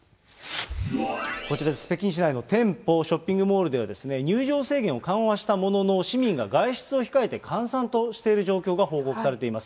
こちらです、北京市内の店舗、ショッピングモールでは、入場制限を緩和したものの、市民が外出を控えて閑散としている状況が報告されています。